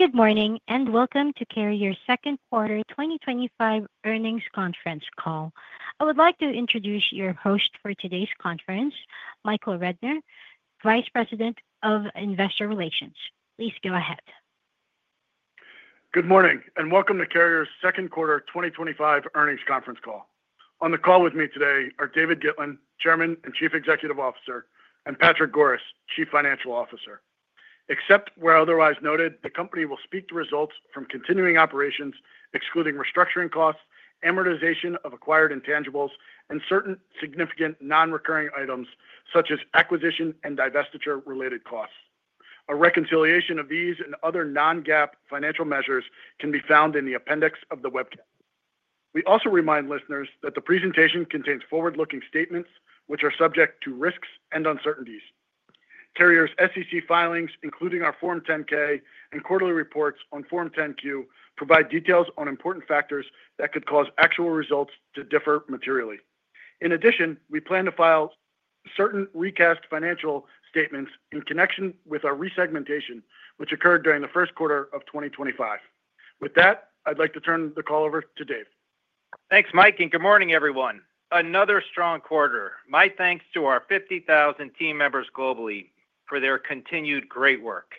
Good morning and welcome to Carrier Second Quarter 2025 earnings Conference call. I would like to introduce your host for today's conference, Michael Rednor, Vice President of Investor Relations. Please go ahead. Good morning and welcome to Carrier's Second Quarter 2025 Earnings Conference call. On the call with me today are David Gitlin, Chairman and Chief Executive Officer, and Patrick Goris, Chief Financial Officer. Except where otherwise noted, the company will speak to results from continuing operations, excluding restructuring costs, amortization of acquired intangibles, and certain significant non-recurring items such as acquisition and divestiture-related costs. A reconciliation of these and other non-GAAP financial measures can be found in the appendix of the webcast. We also remind listeners that the presentation contains forward-looking statements, which are subject to risks and uncertainties. Carrier's SEC filings, including our Form 10-K and quarterly reports on Form 10-Q, provide details on important factors that could cause actual results to differ materially. In addition, we plan to file certain recast financial statements in connection with our resegmentation, which occurred during the first quarter of 2025. With that, I'd like to turn the call over to Dave. Thanks, Mike, and good morning, everyone. Another strong quarter. My thanks to our 50,000 team members globally for their continued great work.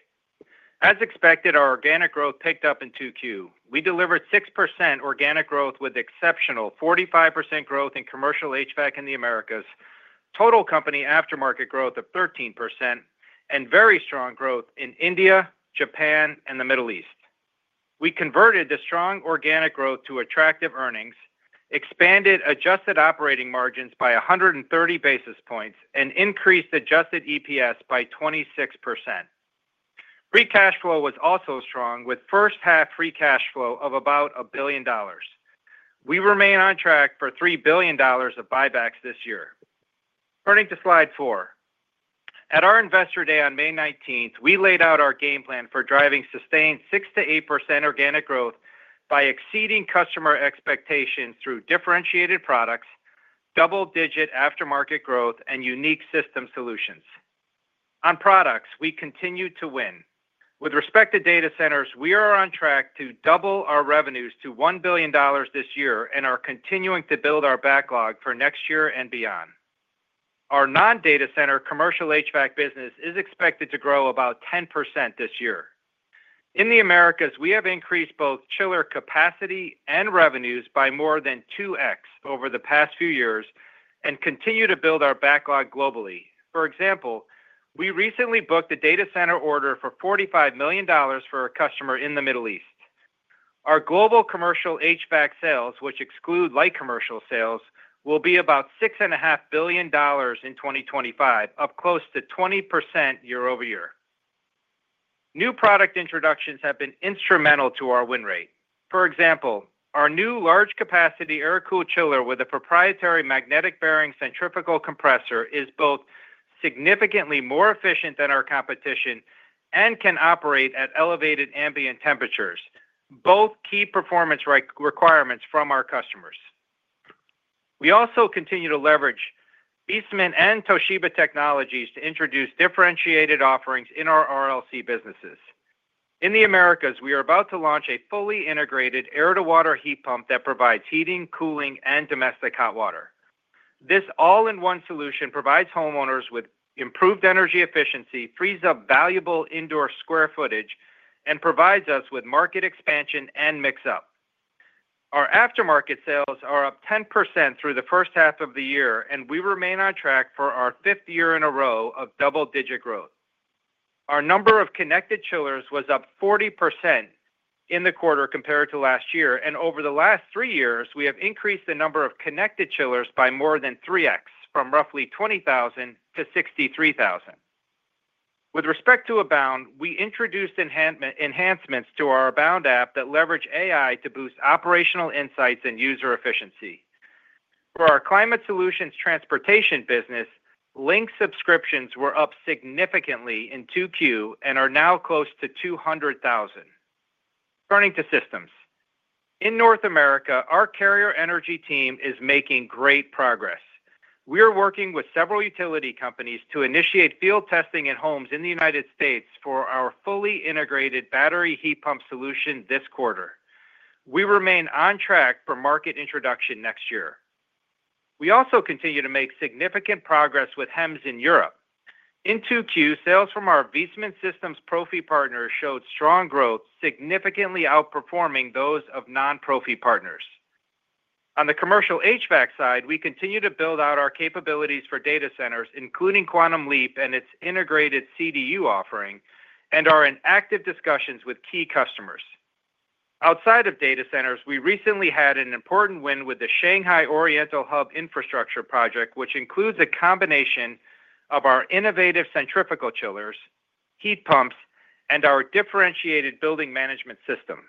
As expected, our organic growth picked up in Q2. We delivered 6% organic growth with exceptional 45% growth in commercial HVAC in the Americas, total company aftermarket growth of 13%, and very strong growth in India, Japan, and the Middle East. We converted the strong organic growth to attractive earnings, expanded adjusted operating margins by 130 basis points, and increased adjusted EPS by 26%. Free cash flow was also strong, with first-half Free cash flow of about billion dollar. We remain on track for $3 billion of buybacks this year. Turning to slide four. At our Investor Day on May 19, we laid out our game plan for driving sustained 6-8% organic growth by exceeding customer expectations through differentiated products, double-digit aftermarket growth, and unique system solutions. On products, we continue to win. With respect to data centers, we are on track to double our revenues to $1 billion this year and are continuing to build our backlog for next year and beyond. Our non-data center commercial HVAC business is expected to grow about 10% this year. In the Americas, we have increased both chiller capacity and revenues by more than 2X over the past few years and continue to build our backlog globally. For example, we recently booked a data center order for $45 million for a customer in the Middle East. Our global commercial HVAC sales, which exclude light commercial sales, will be about $6.5 billion in 2025, up close to 20% year over year. New product introductions have been instrumental to our win rate. For example, our new large-capacity air-cooled chiller with a proprietary magnetic-bearing centrifugal compressor is both significantly more efficient than our competition and can operate at elevated ambient temperatures, both key performance requirements from our customers. We also continue to leverage Eastman and Toshiba technologies to introduce differentiated offerings in our RLC businesses. In the Americas, we are about to launch a fully integrated air-to-water heat pump that provides heating, cooling, and domestic hot water. This all-in-one solution provides homeowners with improved energy efficiency, frees up valuable indoor square footage, and provides us with market expansion and mix-up. Our aftermarket sales are up 10% through the first half of the year, and we remain on track for our fifth year in a row of double-digit growth. Our number of connected chillers was up 40% in the quarter compared to last year, and over the last three years, we have increased the number of connected chillers by more than 3X, from roughly 20,000 to 63,000. With respect to Abound, we introduced enhancements to our Abound app that leverage AI to boost operational insights and user efficiency. For our climate solutions transportation business, link subscriptions were up significantly in Q2 and are now close to $200,000. Turning to systems. In North America, our Carrier Energy team is making great progress. We are working with several utility companies to initiate field testing in homes in the United States for our fully integrated battery heat pump solution this quarter. We remain on track for market introduction next year. We also continue to make significant progress with HEMS in Europe. In Q2, sales from our Eastman Systems Profi partners showed strong growth, significantly outperforming those of non-Profi partners. On the commercial HVAC side, we continue to build out our capabilities for data centers, including Quantum Leap and its integrated CDU offering, and are in active discussions with key customers. Outside of data centers, we recently had an important win with the Shanghai Oriental Hub Infrastructure project, which includes a combination of our innovative centrifugal chillers, heat pumps, and our differentiated building management system.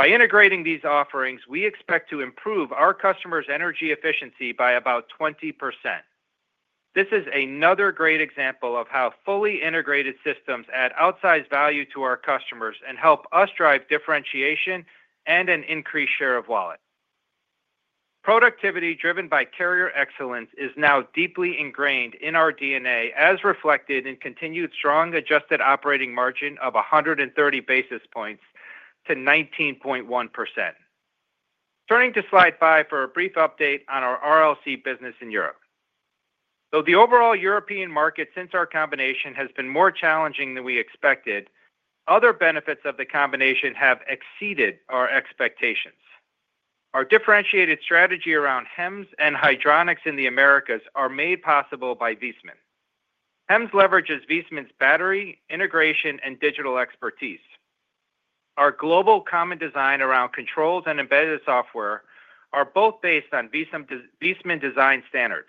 By integrating these offerings, we expect to improve our customers' energy efficiency by about 20%. This is another great example of how fully integrated systems add outsized value to our customers and help us drive differentiation and an increased share of wallet. Productivity driven by Carrier excellence is now deeply ingrained in our DNA, as reflected in continued strong adjusted operating margin of 130 basis points to 19.1%. Turning to slide five for a brief update on our RLC business in Europe. Though the overall European market since our combination has been more challenging than we expected, other benefits of the combination have exceeded our expectations. Our differentiated strategy around HEMS and hydronics in the Americas is made possible by Eastman. HEMS leverages Eastman's battery integration and digital expertise. Our global common design around controls and embedded software is both based on Eastman design standards.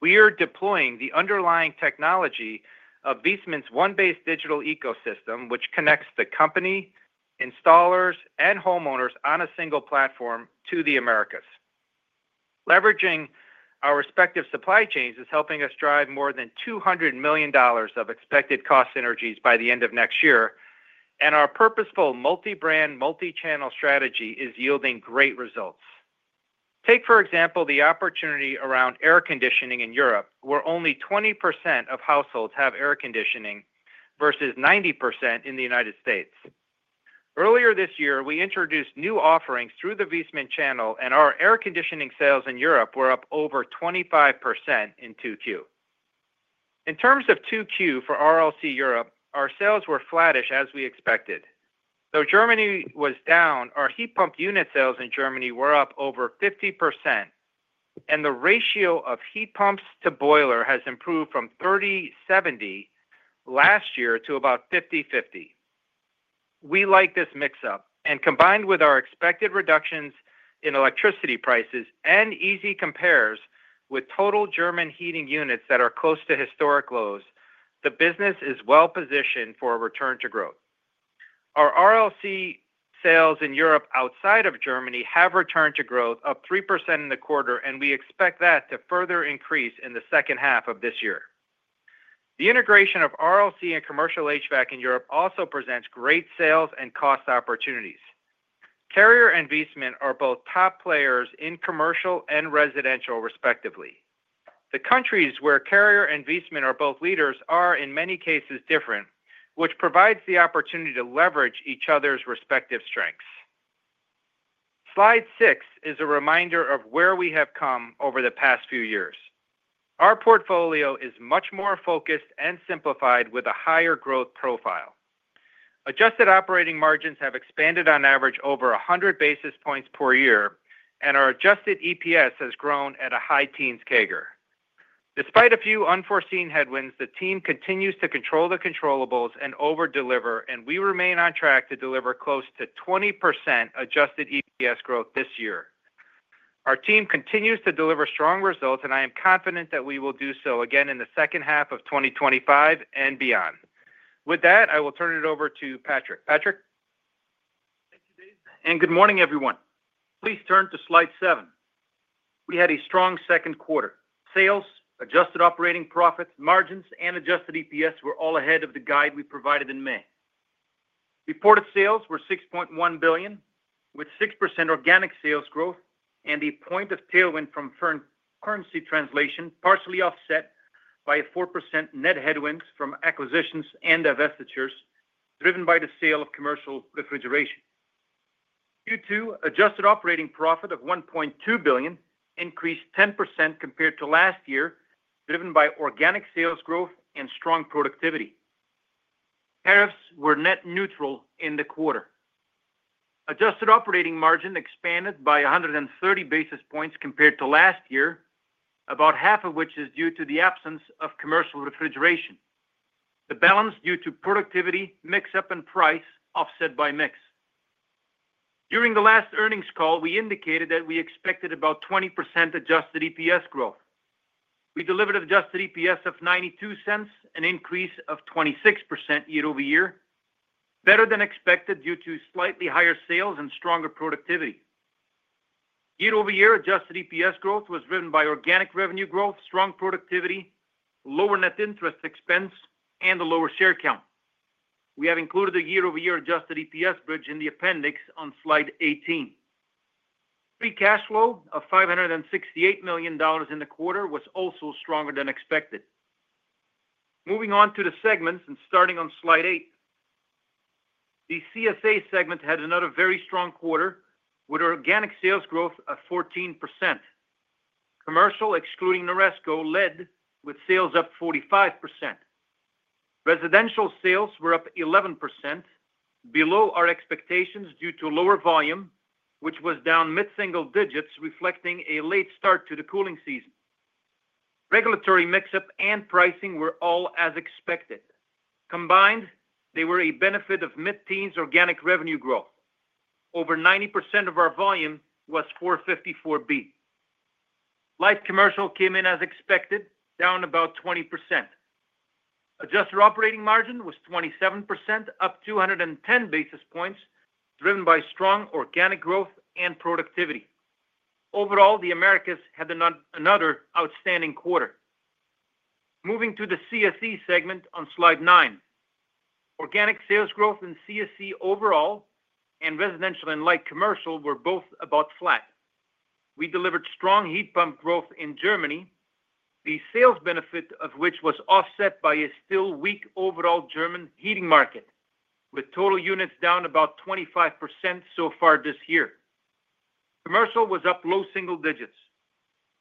We are deploying the underlying technology of Eastman's OneBase digital ecosystem, which connects the company, installers, and homeowners on a single platform to the Americas. Leveraging our respective supply chains is helping us drive more than $200 million of expected cost synergies by the end of next year, and our purposeful multi-brand, multi-channel strategy is yielding great results. Take, for example, the opportunity around air conditioning in Europe, where only 20% of households have air conditioning versus 90% in the United States. Earlier this year, we introduced new offerings through the Eastman channel, and our air conditioning sales in Europe were up over 25% in Q2. In terms of Q2 for RLC Europe, our sales were flattish as we expected. Though Germany was down, our heat pump unit sales in Germany were up over 50%. And the ratio of heat pumps to boiler has improved from 30/70 last year to about 50/50. We like this mix-up, and combined with our expected reductions in electricity prices and easy compares with total German heating units that are close to historic lows, the business is well positioned for a return to growth. Our RLC sales in Europe outside of Germany have returned to growth of 3% in the quarter, and we expect that to further increase in the second half of this year. The integration of RLC and commercial HVAC in Europe also presents great sales and cost opportunities. Carrier and Eastman are both top players in commercial and residential, respectively. The countries where Carrier and Eastman are both leaders are, in many cases, different, which provides the opportunity to leverage each other's respective strengths. Slide six is a reminder of where we have come over the past few years. Our portfolio is much more focused and simplified with a higher growth profile. Adjusted operating margins have expanded on average over 100 basis points per year, and our adjusted EPS has grown at a high teen's kager. Despite a few unforeseen headwinds, the team continues to control the controllables and overdeliver, and we remain on track to deliver close to 20% adjusted EPS growth this year. Our team continues to deliver strong results, and I am confident that we will do so again in the second half of 2025 and beyond. With that, I will turn it over to Patrick. Patrick. Thank you, Dave. Good morning, everyone. Please turn to slide seven. We had a strong second quarter. Sales, adjusted operating profits, margins, and adjusted EPS were all ahead of the guide we provided in May. Reported sales were $6.1 billion, with 6% organic sales growth and a point of tailwind from currency translation, partially offset by a 4% net headwind from acquisitions and divestitures driven by the sale of commercial refrigeration. Q2 adjusted operating profit of $1.2 billion increased 10% compared to last year, driven by organic sales growth and strong productivity. Tariffs were net neutral in the quarter. Adjusted operating margin expanded by 130 basis points compared to last year, about half of which is due to the absence of commercial refrigeration. The balance is due to productivity, mix-up, and price offset by mix. During the last earnings call, we indicated that we expected about 20% adjusted EPS growth. We delivered adjusted EPS of $0.92, an increase of 26% year over year, better than expected due to slightly higher sales and stronger productivity. Year-over-year adjusted EPS growth was driven by organic revenue growth, strong productivity, lower net interest expense, and a lower share count. We have included a year-over-year adjusted EPS bridge in the appendix on slide eighteen. Free cash flow of $568 million in the quarter was also stronger than expected. Moving on to the segments and starting on slide eight. The CSA segment had another very strong quarter with organic sales growth of 14%. Commercial, excluding Neresco, led with sales up 45%. Residential sales were up 11%, below our expectations due to lower volume, which was down mid-single digits, reflecting a late start to the cooling season. Regulatory mix-up and pricing were all as expected. Combined, they were a benefit of mid-teens organic revenue growth. Over 90% of our volume was 454B. Light commercial came in as expected, down about 20%. Adjusted operating margin was 27%, up 210 basis points, driven by strong organic growth and productivity. Overall, the Americas had another outstanding quarter. Moving to the CSE segment on slide nine. Organic sales growth in CSE overall and residential and light commercial were both about flat. We delivered strong heat pump growth in Germany, the sales benefit of which was offset by a still weak overall German heating market, with total units down about 25% so far this year. Commercial was up low single digits.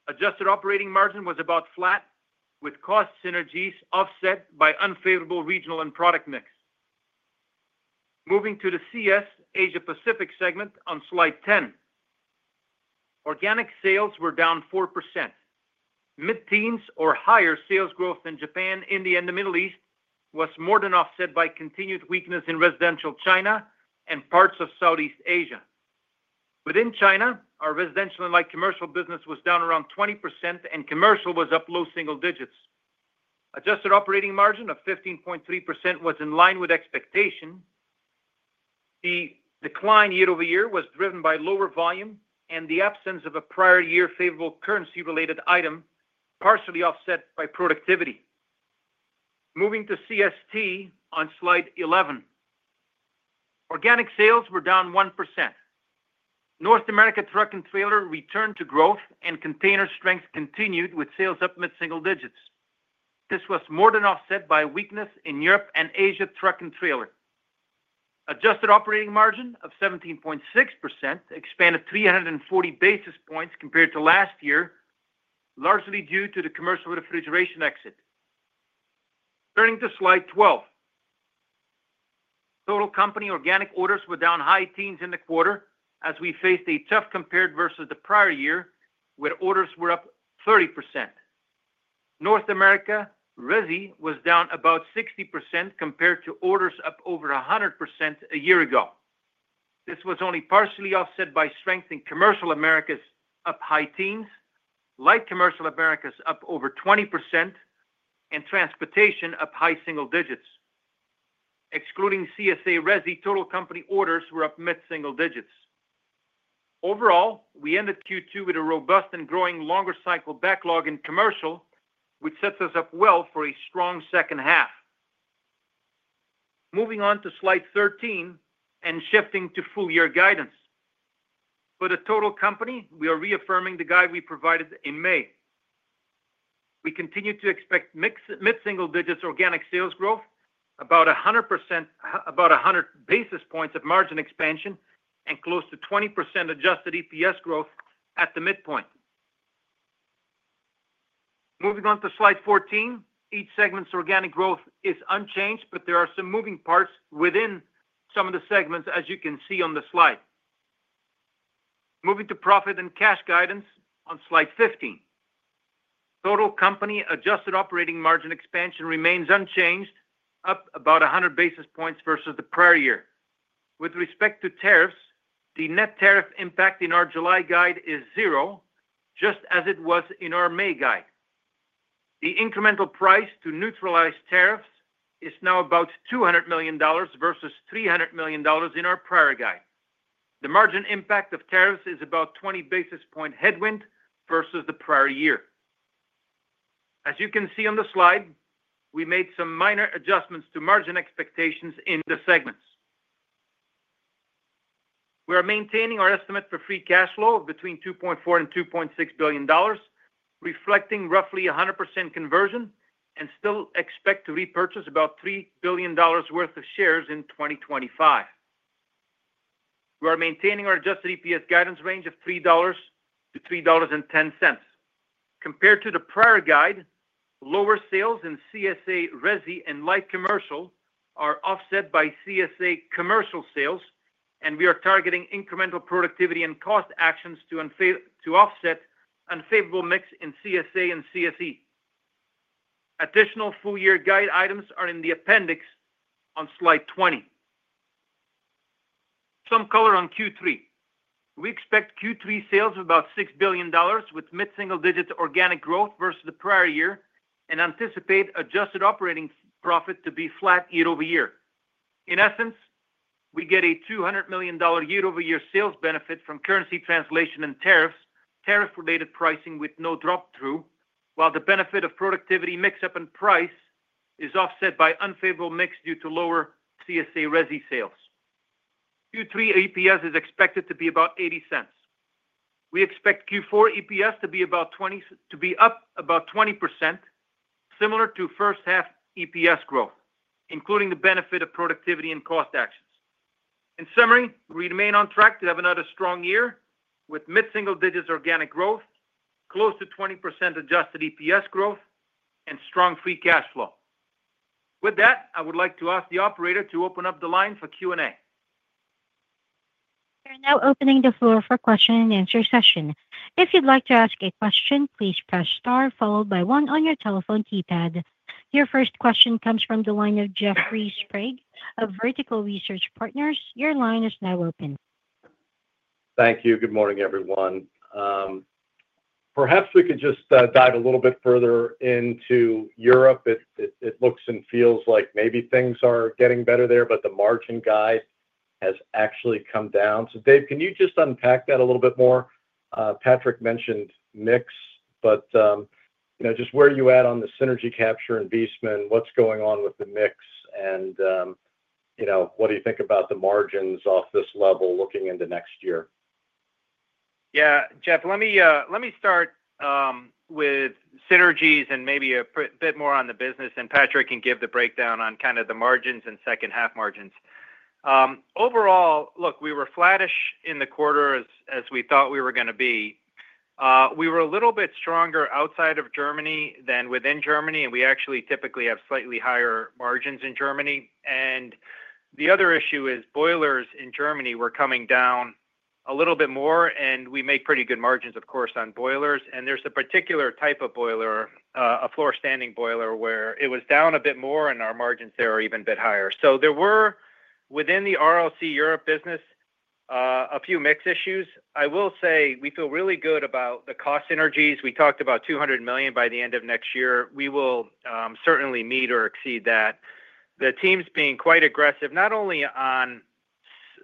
Adjusted operating margin was about flat, with cost synergies offset by unfavorable regional and product mix. Moving to the CS Asia-Pacific segment on slide 10. Organic sales were down 4%. Mid-teens or higher sales growth in Japan, India, and the Middle East was more than offset by continued weakness in residential China and parts of Southeast Asia. Within China, our residential and light commercial business was down around 20%, and commercial was up low single digits. Adjusted operating margin of 15.3% was in line with expectation. The decline year-over-year was driven by lower volume and the absence of a prior year favorable currency-related item, partially offset by productivity. Moving to CST on slide 11. Organic sales were down 1%. North America truck and trailer returned to growth, and container strength continued with sales up mid-single digits. This was more than offset by weakness in Europe and Asia truck and trailer. Adjusted operating margin of 17.6% expanded 340 basis points compared to last year, largely due to the commercial refrigeration exit. Turning to slide 12. Total company organic orders were down high teens in the quarter as we faced a tough compared versus the prior year, where orders were up 30%. North America RESI was down about 60% compared to orders up over 100% a year ago. This was only partially offset by strength in commercial Americas up high teens, light commercial Americas up over 20%, and transportation up high single digits. Excluding CSA RESI, total company orders were up mid-single digits. Overall, we ended Q2 with a robust and growing longer cycle backlog in commercial, which sets us up well for a strong second half. Moving on to slide 13 and shifting to full-year guidance. For the total company, we are reaffirming the guide we provided in May. We continue to expect mid-single digits organic sales growth, about 100 basis points of margin expansion, and close to 20% adjusted EPS growth at the midpoint. Moving on to slide 14, each segment's organic growth is unchanged, but there are some moving parts within some of the segments, as you can see on the slide. Moving to profit and cash guidance on slide 15. Total company adjusted operating margin expansion remains unchanged, up about 100 basis points versus the prior year. With respect to tariffs, the net tariff impact in our July guide is zero, just as it was in our May guide. The incremental price to neutralize tariffs is now about $200 million versus $300 million in our prior guide. The margin impact of tariffs is about 20 basis point headwind versus the prior year. As you can see on the slide, we made some minor adjustments to margin expectations in the segments. We are maintaining our estimate for Free cash flow between $2.4 and $2.6 billion, reflecting roughly 100% conversion, and still expect to repurchase about $3 billion worth of shares in 2025. We are maintaining our adjusted EPS guidance range of $3-$3.10. Compared to the prior guide, lower sales in CSA RESI and light commercial are offset by CSA commercial sales, and we are targeting incremental productivity and cost actions to offset unfavorable mix in CSA and CSE. Additional full-year guide items are in the appendix on slide 20. Some color on Q3. We expect Q3 sales of about $6 billion with mid-single digit organic growth versus the prior year and anticipate adjusted operating profit to be flat year-over-year. In essence, we get a $200 million year-over-year sales benefit from currency translation and tariffs, tariff-related pricing with no drop-through, while the benefit of productivity mix-up and price is offset by unfavorable mix due to lower CSA RESI sales. Q3 EPS is expected to be about $0.80. We expect Q4 EPS to be up about 20%, similar to first-half EPS growth, including the benefit of productivity and cost actions. In summary, we remain on track to have another strong year with mid-single digit organic growth, close to 20% adjusted EPS growth, and strong Free cash flow. With that, I would like to ask the operator to open up the line for Q&A. We are now opening the floor for question and answer session. If you'd like to ask a question, please press star followed by one on your telephone keypad. Your first question comes from the line of Jeffrey Sprague of Vertical Research Partners. Your line is now open. Thank you. Good morning, everyone. Perhaps we could just dive a little bit further into Europe. It looks and feels like maybe things are getting better there, but the margin guide has actually come down. So Dave, can you just unpack that a little bit more? Patrick mentioned mix, but just where you at on the synergy capture in Viessmann, what's going on with the mix, and what do you think about the margins off this level looking into next year? Yeah, Jeff, let me start. With synergies and maybe a bit more on the business, and Patrick can give the breakdown on kind of the margins and second-half margins. Overall, look, we were flattish in the quarter as we thought we were going to be. We were a little bit stronger outside of Germany than within Germany, and we actually typically have slightly higher margins in Germany. The other issue is boilers in Germany were coming down a little bit more, and we make pretty good margins, of course, on boilers. There is a particular type of boiler, a floor-standing boiler, where it was down a bit more, and our margins there are even a bit higher. There were, within the RLC Europe business, a few mix issues. I will say we feel really good about the cost synergies. We talked about $200 million by the end of next year. We will certainly meet or exceed that. The teams being quite aggressive, not only on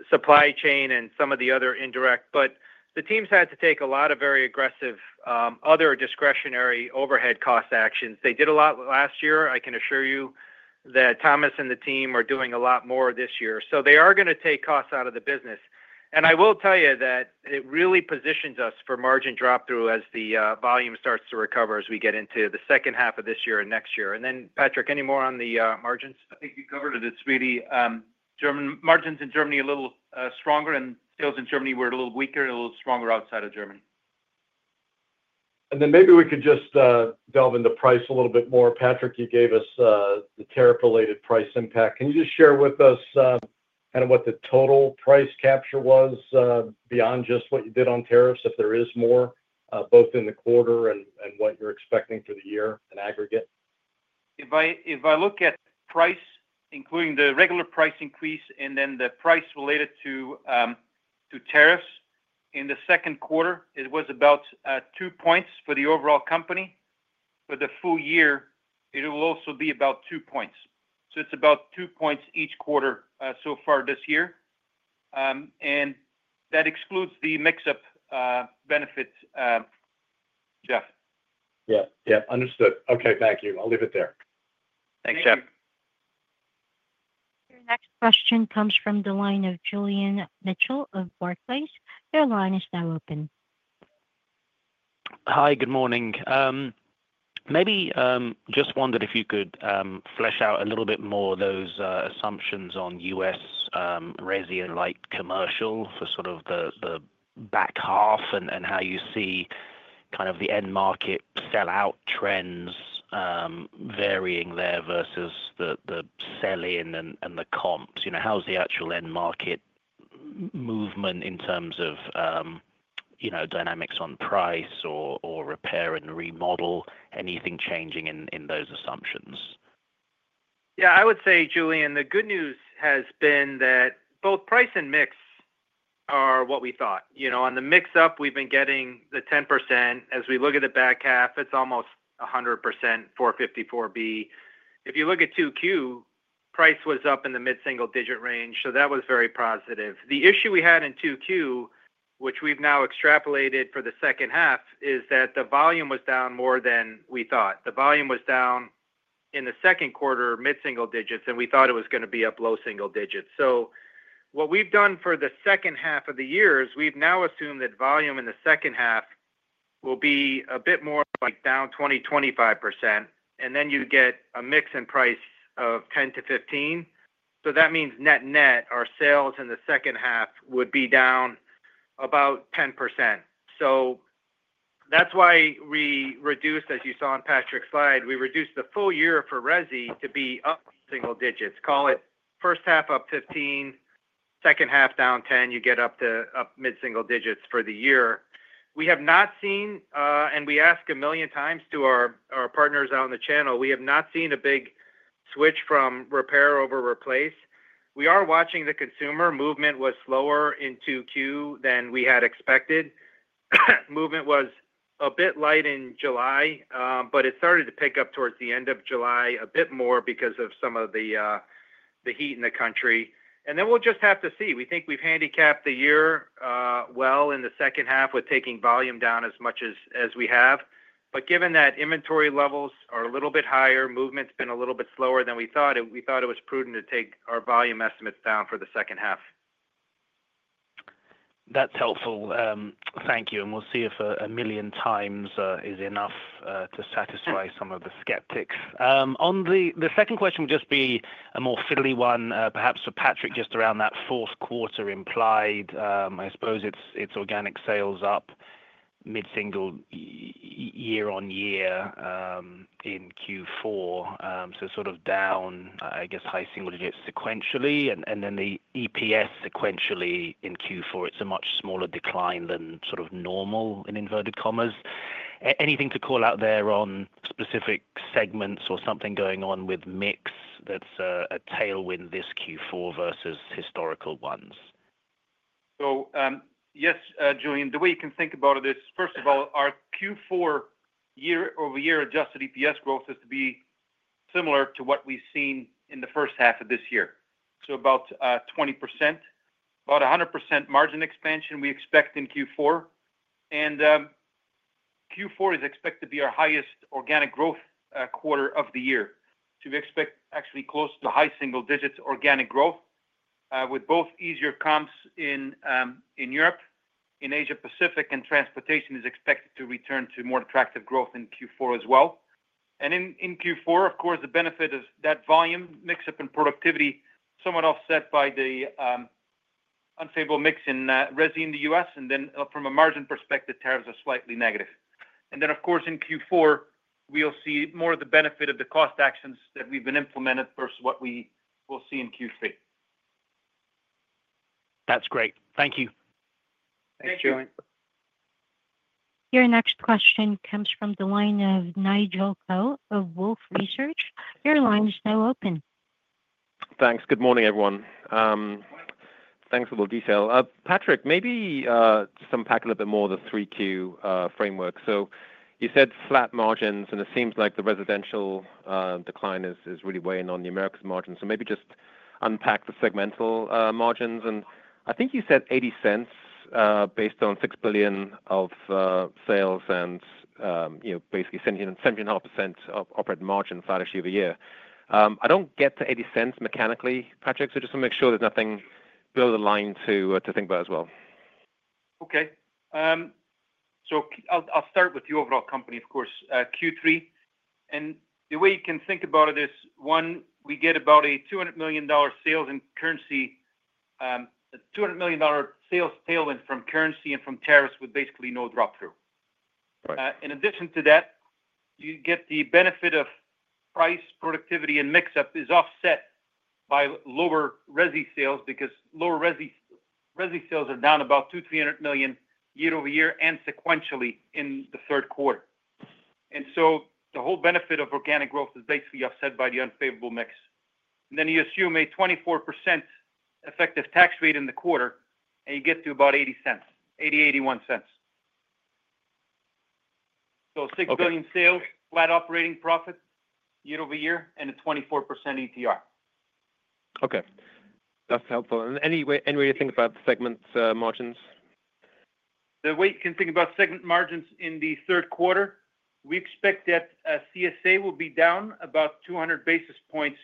supply chain and some of the other indirect, but the teams had to take a lot of very aggressive other discretionary overhead cost actions. They did a lot last year. I can assure you that Thomas and the team are doing a lot more this year. They are going to take costs out of the business. I will tell you that it really positions us for margin drop-through as the volume starts to recover as we get into the second half of this year and next year. Patrick, any more on the margins? I think you covered it, sweetie. Margins in Germany a little stronger, and sales in Germany were a little weaker, a little stronger outside of Germany. Maybe we could just delve into price a little bit more. Patrick, you gave us the tariff-related price impact. Can you just share with us kind of what the total price capture was beyond just what you did on tariffs, if there is more, both in the quarter and what you're expecting for the year in aggregate? If I look at price, including the regular price increase and then the price related to tariffs in the second quarter, it was about 2 points for the overall company. For the full year, it will also be about 2 points. It is about 2 points each quarter so far this year. That excludes the mix-up benefit. Jeff. Yeah, yeah, understood. Okay, thank you. I'll leave it there. Thanks, Jeff. Your next question comes from the line of Julian Mitchell of Barclays. Their line is now open. Hi, good morning. Maybe just wondered if you could flesh out a little bit more of those assumptions on U.S. RESI and light commercial for sort of the back half and how you see kind of the end market sell-out trends. Varying there versus the sell-in and the comps. How's the actual end market. Movement in terms of. Dynamics on price or repair and remodel? Anything changing in those assumptions? Yeah, I would say, Julian, the good news has been that both price and mix are what we thought. On the mix-up, we've been getting the 10%. As we look at the back half, it's almost 100% 454B. If you look at 2Q, price was up in the mid-single digit range, so that was very positive. The issue we had in 2Q, which we've now extrapolated for the second half, is that the volume was down more than we thought. The volume was down in the second quarter mid-single digits, and we thought it was going to be up low single digits. What we've done for the second half of the year is we've now assumed that volume in the second half will be a bit more down 20%-25%, and then you get a mix and price of 10%-15%. That means net net, our sales in the second half would be down about 10%. That's why we reduced, as you saw on Patrick's slide, we reduced the full year for RESI to be up single digits. Call it first half up 15%, second half down 10%, you get up to mid-single digits for the year. We have not seen, and we ask a million times to our partners out on the channel, we have not seen a big switch from repair over replace. We are watching the consumer movement was slower in 2Q than we had expected. Movement was a bit light in July, but it started to pick up towards the end of July a bit more because of some of the heat in the country. We will just have to see. We think we've handicapped the year well in the second half with taking volume down as much as we have. Given that inventory levels are a little bit higher, movement's been a little bit slower than we thought, we thought it was prudent to take our volume estimates down for the second half. That's helpful. Thank you. We'll see if a million times is enough to satisfy some of the skeptics. The second question will just be a more fiddly one, perhaps for Patrick, just around that fourth quarter implied. I suppose it's organic sales up mid-single year on year in Q4, so sort of down, I guess, high single digits sequentially, and then the EPS sequentially in Q4. It's a much smaller decline than sort of normal in inverted commas. Anything to call out there on specific segments or something going on with mix that's a tailwind this Q4 versus historical ones? Yes, Julian, the way you can think about it is, first of all, our Q4 year-over-year adjusted EPS growth is to be similar to what we've seen in the first half of this year. So about 20%. About 100 basis points margin expansion we expect in Q4. Q4 is expected to be our highest organic growth quarter of the year. We expect actually close to high single digits organic growth, with both easier comps in Europe, in Asia-Pacific, and transportation is expected to return to more attractive growth in Q4 as well. In Q4, of course, the benefit of that volume mix-up and productivity is somewhat offset by the unfavorable mix in RESI in the US. Then from a margin perspective, tariffs are slightly negative. Of course, in Q4, we'll see more of the benefit of the cost actions that we've been implementing versus what we will see in Q3. That's great. Thank you. Thanks, Julian. Your next question comes from the line of Nigel Coe of Wolfe Research. Your line is now open. Thanks. Good morning, everyone. Thanks for the detail. Patrick, maybe to unpack a little bit more of the 3Q framework. You said flat margins, and it seems like the residential decline is really weighing on the Americas margin. Maybe just unpack the segmental margins. I think you said $0.80 based on $6 billion of sales and basically 7.5% operating margin flat year over year. I do not get to $0.80 mechanically, Patrick, so just to make sure there is nothing below the line to think about as well. Okay. I'll start with the overall company, of course. Q3. The way you can think about it is, one, we get about a $200 million sales in currency. $200 million sales tailwind from currency and from tariffs with basically no drop-through. In addition to that, you get the benefit of price, productivity, and mix-up is offset by lower RESI sales because lower RESI sales are down about $200 -$300 million year-over-year and sequentially in the third quarter. The whole benefit of organic growth is basically offset by the unfavorable mix. You assume a 24% effective tax rate in the quarter, and you get to about $0.80, $0.80-$0.81. $6 billion sales, flat operating profit year-over-year, and a 24% ETR. Okay. That's helpful. Any way to think about segment margins? The way you can think about segment margins in the third quarter, we expect that CSA will be down about 200 basis points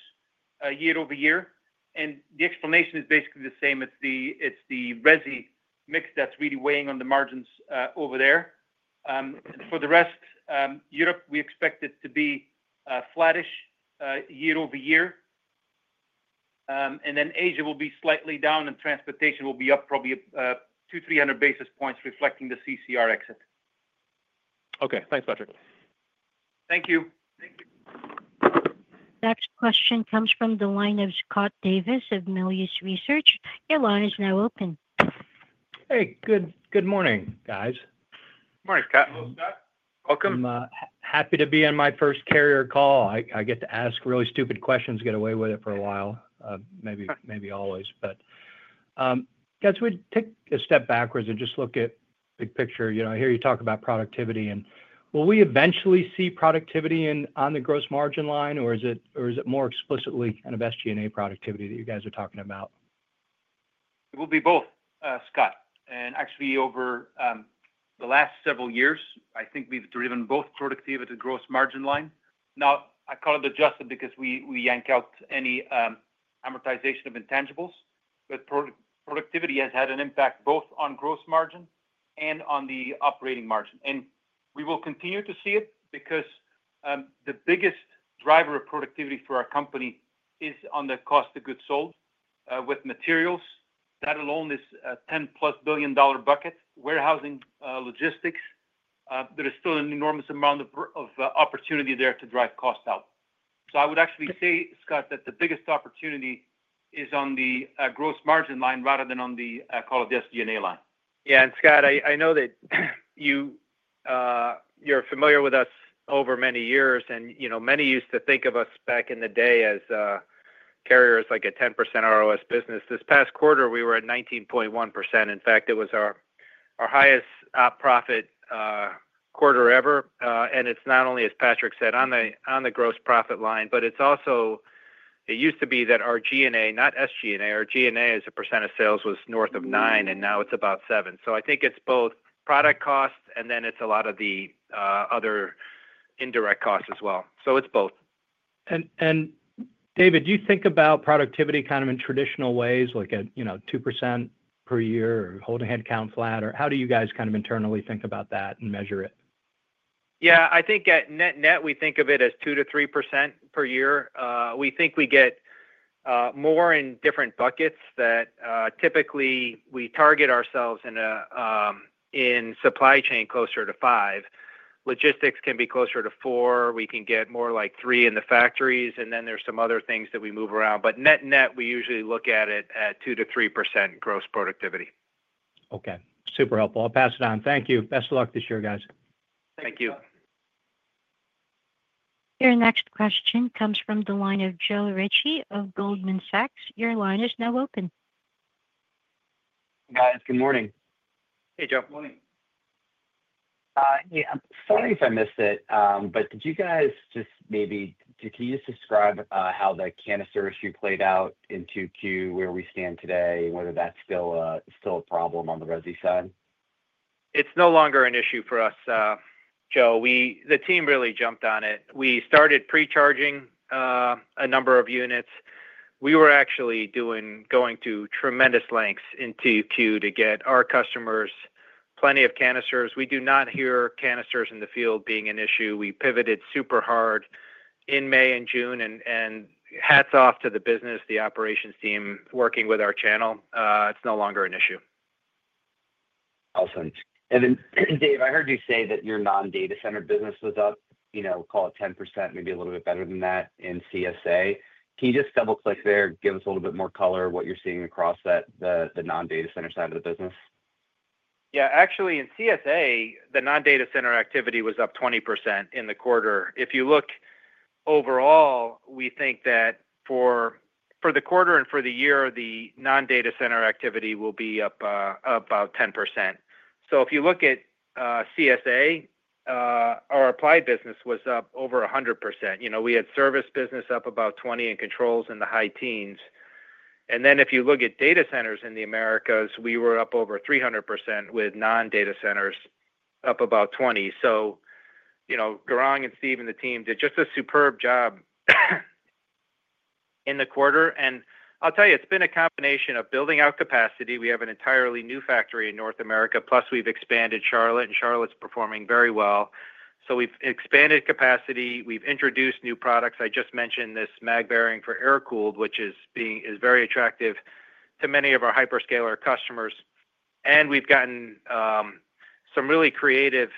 year-over-year. The explanation is basically the same. It's the RESI mix that's really weighing on the margins over there. For the rest, Europe, we expect it to be flattish year-over-year. Asia will be slightly down, and transportation will be up probably 200-300 basis points reflecting the CCR exit. Okay. Thanks, Patrick. Thank you. Next question comes from the line of Scott Davis of Melius Research. Your line is now open. Hey, good morning, guys. Morning, Scott. Welcome. Happy to be on my first Carrier call. I get to ask really stupid questions, get away with it for a while, maybe always. Guys, if we take a step backwards and just look at the big picture, I hear you talk about productivity. Will we eventually see productivity on the gross margin line, or is it more explicitly kind of SG&A productivity that you guys are talking about? It will be both, Scott. Actually, over the last several years, I think we've driven both productivity to the gross margin line. I call it adjusted because we yank out any amortization of intangibles, but productivity has had an impact both on gross margin and on the operating margin. We will continue to see it because the biggest driver of productivity for our company is on the cost of goods sold with materials. That alone is a $10-plus billion bucket, warehousing, logistics. There is still an enormous amount of opportunity there to drive cost out. I would actually say, Scott, that the biggest opportunity is on the gross margin line rather than on the, I call it, SG&A line. Yeah, and Scott, I know that you're familiar with us over many years, and many used to think of us back in the day as Carrier's like a 10% ROS business. This past quarter, we were at 19.1%. In fact, it was our highest profit quarter ever. It's not only, as Patrick said, on the gross profit line, but it's also, it used to be that our G&A, not SG&A, our G&A as a percent of sales was north of 9%, and now it's about 7%. I think it's both product costs, and then it's a lot of the other indirect costs as well. It's both. David, do you think about productivity kind of in traditional ways, like at 2% per year or holding headcount flat? Or how do you guys kind of internally think about that and measure it? Yeah, I think at net net, we think of it as 2%-3% per year. We think we get more in different buckets that typically we target ourselves in. Supply chain closer to 5%. Logistics can be closer to 4%. We can get more like 3% in the factories, and then there's some other things that we move around. But net net, we usually look at it at 2%-3% gross productivity. Okay. Super helpful. I'll pass it on. Thank you. Best of luck this year, guys. Thank you. Your next question comes from the line of Joe Ritchie of Goldman Sachs. Your line is now open. Hey, guys. Good morning. Hey, Jeff. Good morning. Yeah. Sorry if I missed it, but did you guys just maybe, can you just describe how the canister issue played out in 2Q, where we stand today, and whether that's still a problem on the RESI side? It's no longer an issue for us. Joe, the team really jumped on it. We started pre-charging a number of units. We were actually going to tremendous lengths in 2Q to get our customers plenty of canisters. We do not hear canisters in the field being an issue. We pivoted super hard in May and June, and hats off to the business, the operations team working with our channel. It's no longer an issue. Awesome. Dave, I heard you say that your non-data center business was up, call it 10%, maybe a little bit better than that in CSA. Can you just double-click there and give us a little bit more color of what you're seeing across the non-data center side of the business? Yeah. Actually, in CSA, the non-data center activity was up 20% in the quarter. If you look overall, we think that for the quarter and for the year, the non-data center activity will be up about 10%. If you look at CSA, our applied business was up over 100%. We had service business up about 20% and controls in the high teens. If you look at data centers in the Americas, we were up over 300% with non-data centers up about 20%. Gorong and Steve and the team did just a superb job in the quarter. I'll tell you, it's been a combination of building out capacity. We have an entirely new factory in North America, plus we've expanded Charlotte, and Charlotte's performing very well. We've expanded capacity. We've introduced new products. I just mentioned this mag bearing for air-cooled, which is very attractive to many of our hyperscaler customers. We've gotten some really creative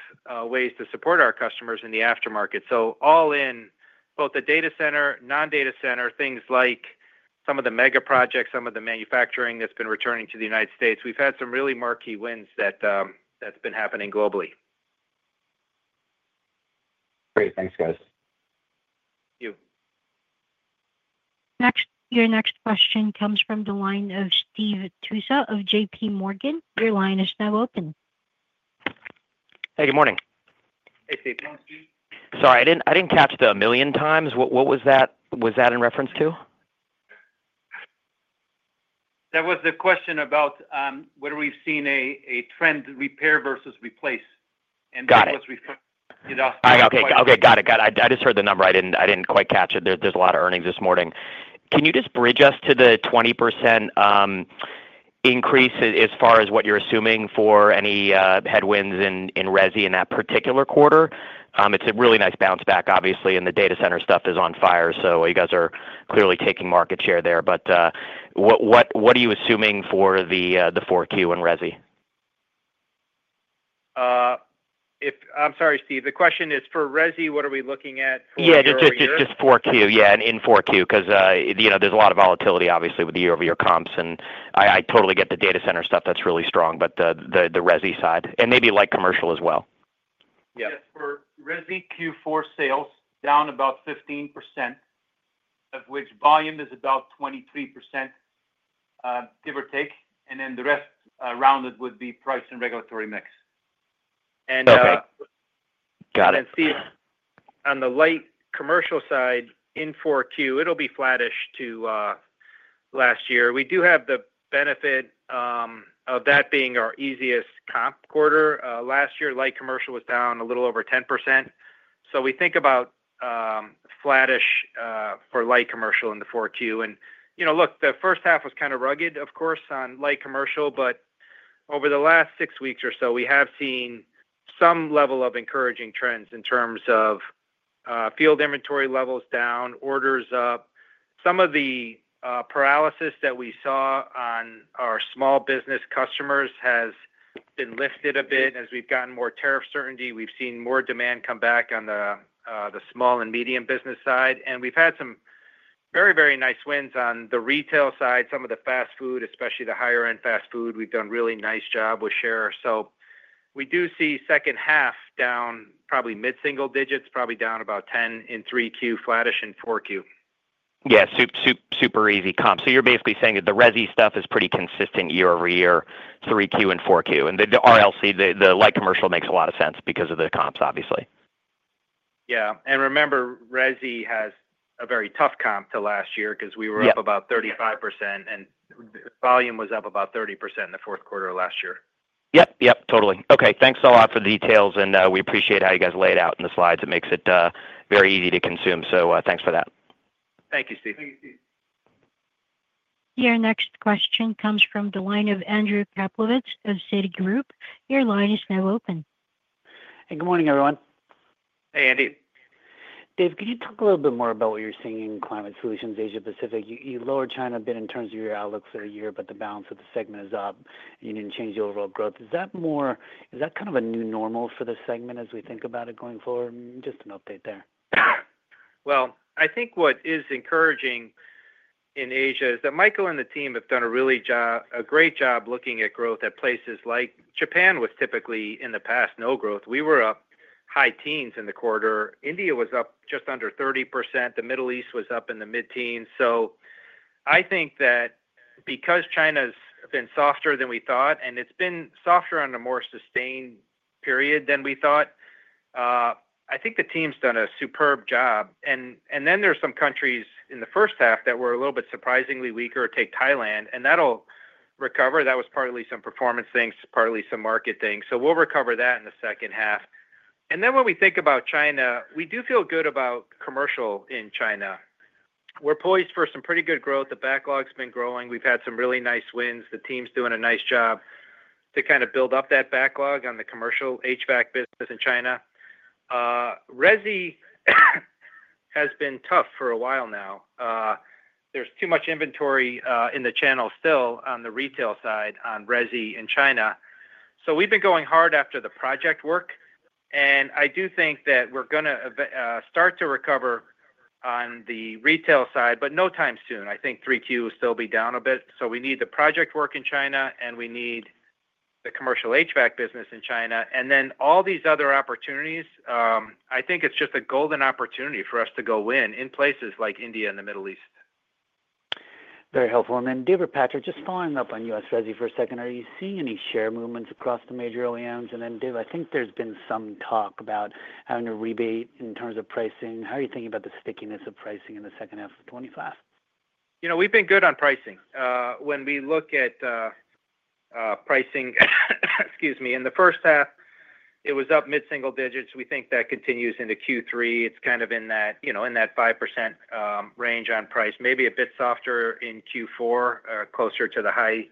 ways to support our customers in the aftermarket. All in, both the data center, non-data center, things like some of the mega projects, some of the manufacturing that's been returning to the United States, we've had some really marquee wins that have been happening globally. Great. Thanks, guys. Thank you. Your next question comes from the line of Steve Tusa of JP Morgan. Your line is now open. Hey, good morning. Hey, Steve. Sorry, I didn't catch the million times. What was that in reference to? That was the question about whether we've seen a trend repair versus replace. That was referring to. Got it. Okay. Got it. I just heard the number. I didn't quite catch it. There's a lot of earnings this morning. Can you just bridge us to the 20% increase as far as what you're assuming for any headwinds in RESI in that particular quarter? It's a really nice bounce back, obviously, and the data center stuff is on fire, so you guys are clearly taking market share there. What are you assuming for the 4Q and RESI? I'm sorry, Steve. The question is, for RESI, what are we looking at for? Yeah, just 4Q. Yeah, in 4Q, because there's a lot of volatility, obviously, with the year-over-year comps. And I totally get the data center stuff that's really strong, but the RESI side. And maybe like commercial as well. Yes. For RESI, Q4 sales down about 15%. Of which volume is about 23%, give or take. And then the rest rounded would be price and regulatory mix. Got it. Steve, on the light commercial side, in 4Q, it'll be flattish to last year. We do have the benefit of that being our easiest comp quarter. Last year, light commercial was down a little over 10%. We think about flattish for light commercial in the 4Q. The first half was kind of rugged, of course, on light commercial, but over the last six weeks or so, we have seen some level of encouraging trends in terms of field inventory levels down, orders up. Some of the paralysis that we saw on our small business customers has been lifted a bit as we've gotten more tariff certainty. We've seen more demand come back on the small and medium business side. We've had some very, very nice wins on the retail side. Some of the fast food, especially the higher-end fast food, we've done a really nice job with share. We do see second half down probably mid-single digits, probably down about 10 in 3Q, flattish in 4Q. Yeah. Super easy comp. So you're basically saying that the RESI stuff is pretty consistent year-over-year, 3Q and 4Q. And the RLC, the light commercial makes a lot of sense because of the comps, obviously. Yeah. Remember, RESI has a very tough comp to last year because we were up about 35%, and volume was up about 30% in the fourth quarter of last year. Yep. Yep. Totally. Okay. Thanks a lot for the details. We appreciate how you guys lay it out in the slides. It makes it very easy to consume. Thanks for that. Thank you, Steve. Thank you, Steve. Your next question comes from the line of Andrew Papplevitz of Citigroup. Your line is now open. Hey, good morning, everyone. Hey, Andy. Dave, could you talk a little bit more about what you're seeing in climate solutions, Asia-Pacific? You lowered China a bit in terms of your outlook for the year, but the balance of the segment is up. You didn't change the overall growth. Is that kind of a new normal for the segment as we think about it going forward? Just an update there. I think what is encouraging in Asia is that Michael and the team have done a great job looking at growth at places like Japan, which typically in the past, no growth. We were up high teens in the quarter. India was up just under 30%. The Middle East was up in the mid-teens. I think that because China's been softer than we thought, and it's been softer on a more sustained period than we thought, I think the team's done a superb job. There are some countries in the first half that were a little bit surprisingly weaker, take Thailand, and that'll recover. That was partly some performance things, partly some market things. We'll recover that in the second half. When we think about China, we do feel good about commercial in China. We're poised for some pretty good growth. The backlog's been growing. We've had some really nice wins. The team's doing a nice job to kind of build up that backlog on the commercial HVAC business in China. RESI has been tough for a while now. There's too much inventory in the channel still on the retail side on RESI in China. We've been going hard after the project work. I do think that we're going to start to recover on the retail side, but no time soon. I think 3Q will still be down a bit. We need the project work in China, and we need the commercial HVAC business in China. All these other opportunities, I think it's just a golden opportunity for us to go win in places like India and the Middle East. Very helpful. David, Patrick, just following up on US RESI for a second, are you seeing any share movements across the major OEMs? Dave, I think there's been some talk about having a rebate in terms of pricing. How are you thinking about the stickiness of pricing in the second half of 2025? We've been good on pricing. When we look at pricing, excuse me, in the first half, it was up mid-single digits. We think that continues into Q3. It's kind of in that 5% range on price. Maybe a bit softer in Q4, closer to the high,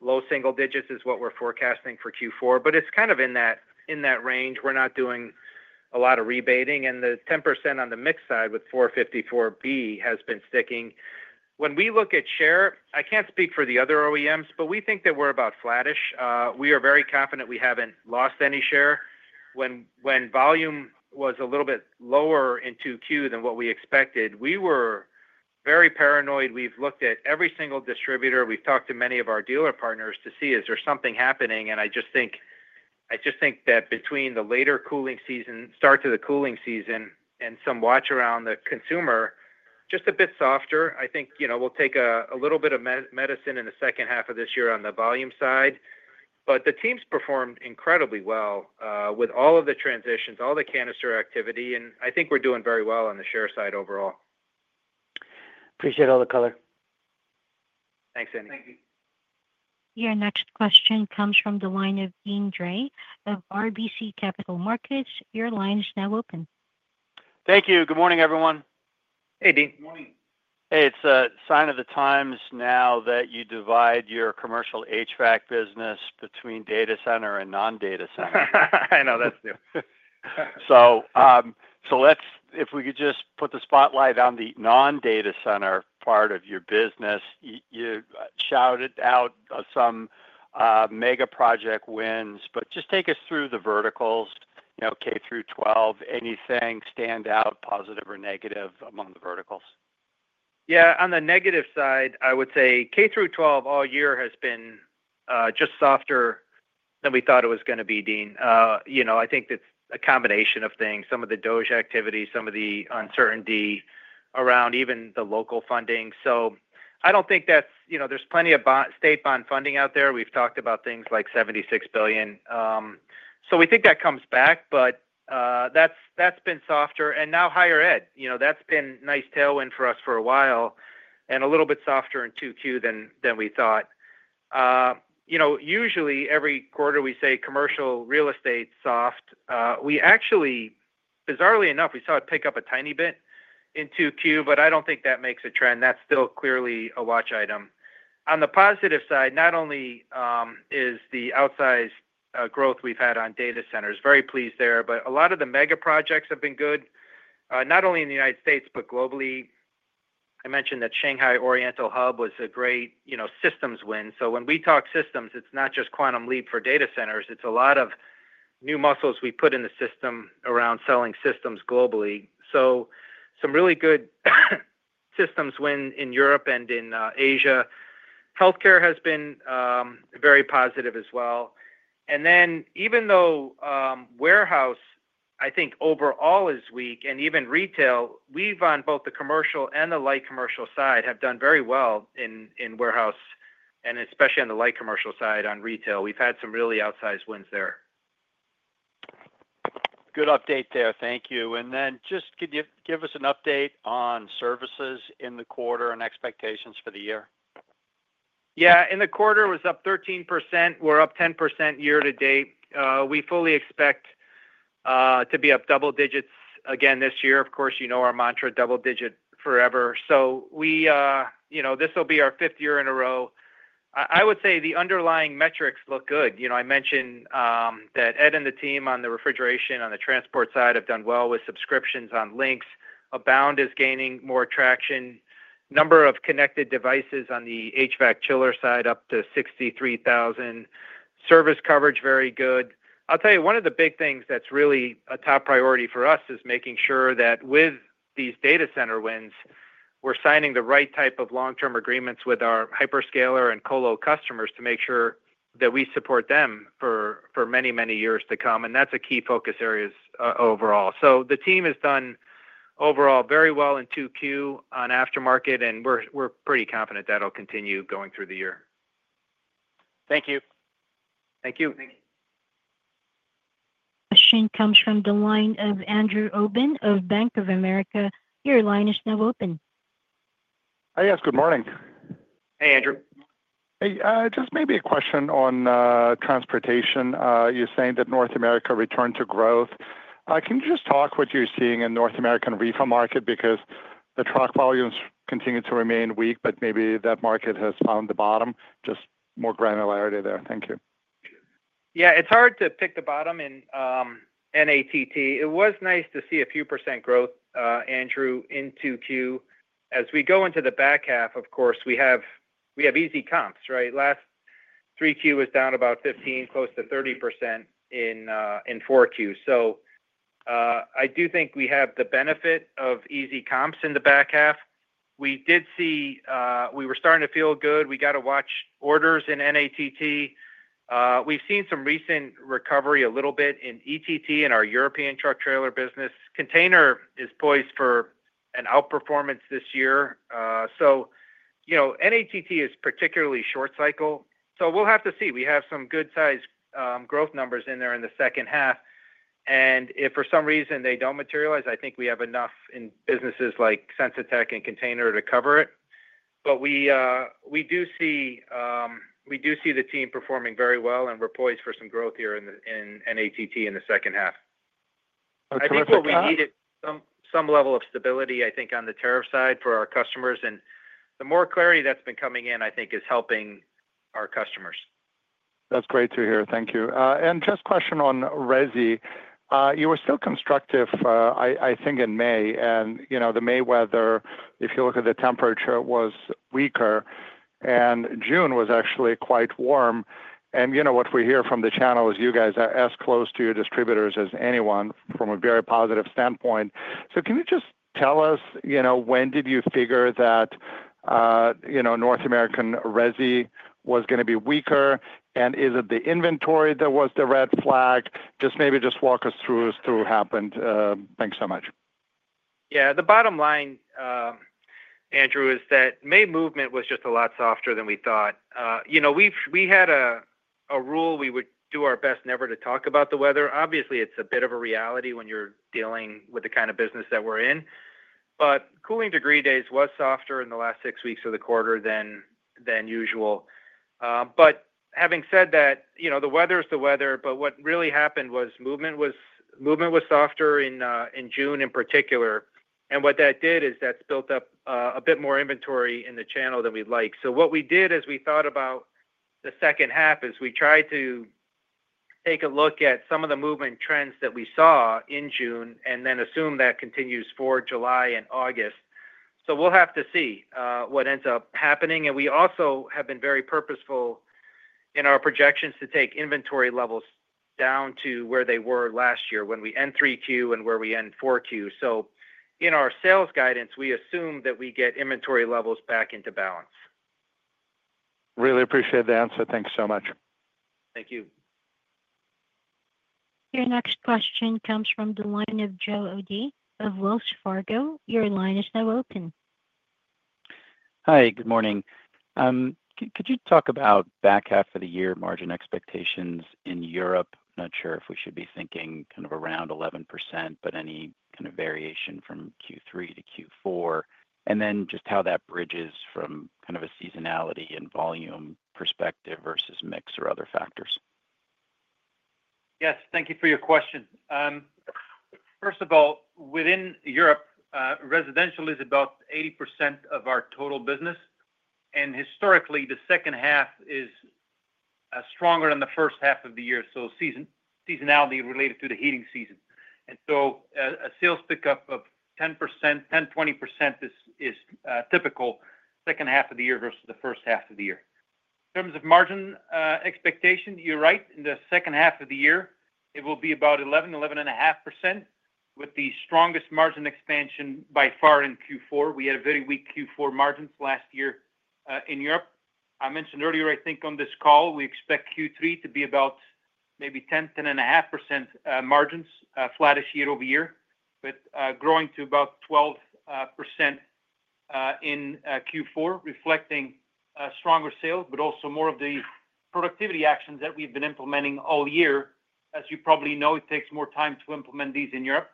low single digits is what we're forecasting for Q4. But it's kind of in that range. We're not doing a lot of rebating. And the 10% on the mix side with 454B has been sticking. When we look at share, I can't speak for the other OEMs, but we think that we're about flattish. We are very confident we haven't lost any share. When volume was a little bit lower in 2Q than what we expected, we were very paranoid. We've looked at every single distributor. We've talked to many of our dealer partners to see, is there something happening? I just think that between the later cooling season, start to the cooling season, and some watch around the consumer, just a bit softer. I think we'll take a little bit of medicine in the second half of this year on the volume side. The teams performed incredibly well with all of the transitions, all the canister activity. I think we're doing very well on the share side overall. Appreciate all the color. Thanks, Andy. Thank you. Your next question comes from the line of Dean Gray of RBC Capital Markets. Your line is now open. Thank you. Good morning, everyone. Hey, Dean. Good morning. Hey, it's a sign of the times now that you divide your commercial HVAC business between data center and non-data center. I know. That's new. If we could just put the spotlight on the non-data center part of your business. You shouted out some mega project wins, but just take us through the verticals, K through 12, anything stand out, positive or negative among the verticals? Yeah. On the negative side, I would say K through 12 all year has been just softer than we thought it was going to be, Dean. I think it's a combination of things. Some of the Dodge activity, some of the uncertainty around even the local funding. I don't think that there's plenty of state bond funding out there. We've talked about things like $76 billion. We think that comes back, but that's been softer. Now higher ed, that's been a nice tailwind for us for a while and a little bit softer in 2Q than we thought. Usually, every quarter we say commercial real estate soft. Bizarrely enough, we saw it pick up a tiny bit in 2Q, but I don't think that makes a trend. That's still clearly a watch item. On the positive side, not only is the outsized growth we've had on data centers, very pleased there, but a lot of the mega projects have been good, not only in the United States, but globally. I mentioned that Shanghai Oriental Hub was a great systems win. When we talk systems, it's not just Quantum Leap for data centers. It's a lot of new muscles we put in the system around selling systems globally. Some really good systems win in Europe and in Asia. Healthcare has been very positive as well. Even though warehouse, I think, overall is weak, and even retail, we've on both the commercial and the light commercial side have done very well in warehouse, and especially on the light commercial side on retail. We've had some really outsized wins there. Good update there. Thank you. Just give us an update on services in the quarter and expectations for the year. Yeah. In the quarter, it was up 13%. We're up 10% year to date. We fully expect to be up double digits again this year. Of course, you know our mantra, double digit forever. This will be our fifth year in a row. I would say the underlying metrics look good. I mentioned that Ed and the team on the refrigeration, on the transport side, have done well with subscriptions on Link. Abound is gaining more traction. Number of connected devices on the HVAC chiller side up to 63,000. Service coverage very good. I'll tell you, one of the big things that's really a top priority for us is making sure that with these data center wins, we're signing the right type of long-term agreements with our hyperscaler and colo customers to make sure that we support them for many, many years to come. That's a key focus area overall. The team has done overall very well in 2Q on aftermarket, and we're pretty confident that'll continue going through the year. Thank you. Thank you. Thank you. Question comes from the line of Andrew Obin of Bank of America. Your line is now open. Hi, yes. Good morning. Hey, Andrew. Hey. Just maybe a question on transportation. You're saying that North America returned to growth. Can you just talk what you're seeing in North American refund market because the truck volumes continue to remain weak, but maybe that market has found the bottom? Just more granularity there. Thank you. Yeah. It's hard to pick the bottom in NATT. It was nice to see a few % growth, Andrew, in 2Q. As we go into the back half, of course, we have easy comps, right? Last 3Q was down about 15%, close to 30% in 4Q. I do think we have the benefit of easy comps in the back half. We were starting to feel good. We got to watch orders in NATT. We've seen some recent recovery a little bit in ETT and our European truck trailer business. Container is poised for an outperformance this year. NATT is particularly short cycle. We'll have to see. We have some good-sized growth numbers in there in the second half. If for some reason they don't materialize, I think we have enough in businesses like Sensitech and Container to cover it. We do see the team performing very well and we're poised for some growth here in NATT in the second half. That's wonderful. I think we needed some level of stability, I think, on the tariff side for our customers. The more clarity that's been coming in, I think, is helping our customers. That's great to hear. Thank you. Just a question on RESI. You were still constructive, I think, in May. The May weather, if you look at the temperature, was weaker. June was actually quite warm. What we hear from the channel is you guys are as close to your distributors as anyone from a very positive standpoint. Can you just tell us when did you figure that North American RESI was going to be weaker? Is it the inventory that was the red flag? Maybe just walk us through what happened. Thanks so much. Yeah. The bottom line, Andrew, is that May movement was just a lot softer than we thought. We had a rule we would do our best never to talk about the weather. Obviously, it's a bit of a reality when you're dealing with the kind of business that we're in. Cooling degree days was softer in the last six weeks of the quarter than usual. Having said that, the weather is the weather, but what really happened was movement was softer in June in particular. What that did is that's built up a bit more inventory in the channel than we'd like. What we did as we thought about the second half is we tried to take a look at some of the movement trends that we saw in June and then assume that continues for July and August. We'll have to see what ends up happening. We also have been very purposeful in our projections to take inventory levels down to where they were last year when we end 3Q and where we end 4Q. In our sales guidance, we assume that we get inventory levels back into balance. Really appreciate the answer. Thanks so much. Thank you. Your next question comes from the line of Joe Odie of Wells Fargo. Your line is now open. Hi. Good morning. Could you talk about back half of the year margin expectations in Europe? Not sure if we should be thinking kind of around 11%, but any kind of variation from Q3 to Q4? And then just how that bridges from kind of a seasonality and volume perspective versus mix or other factors. Yes. Thank you for your question. First of all, within Europe, residential is about 80% of our total business. Historically, the second half is stronger than the first half of the year. That is seasonality related to the heating season. A sales pickup of 10%-20% is typical in the second half of the year versus the first half of the year. In terms of margin expectation, you're right. In the second half of the year, it will be about 11%-11.5% with the strongest margin expansion by far in Q4. We had very weak Q4 margins last year in Europe. I mentioned earlier, I think, on this call, we expect Q3 to be about maybe 10%-10.5% margins, flattish year over year, but growing to about 12% in Q4, reflecting stronger sales, but also more of the productivity actions that we've been implementing all year. As you probably know, it takes more time to implement these in Europe.